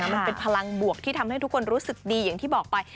มันเป็นพลังบวกที่ทำให้ทุกคนรู้สึกดีอย่างที่บอกไป